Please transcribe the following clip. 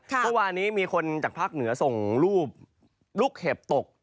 เมื่อวานนี้มีคนจากภาคเหนือส่งรูปลูกเห็บตก